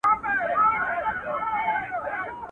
چي زه نه یم په جهان کي به تور تم وي.